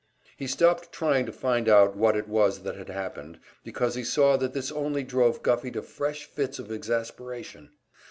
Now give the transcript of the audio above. He stopped trying to find out what it was that had happened, because he saw that this only drove Guffey to fresh fits of exasperation.